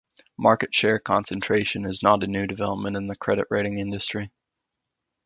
Market share concentration is not a new development in the credit rating industry.